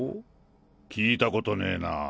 聞いたことねぇなぁ。